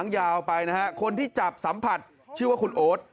ตอนที่จับสัมผัสชื่อว่าคุณโอ๊ต